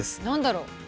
何だろう？